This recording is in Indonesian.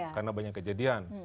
karena banyak kejadian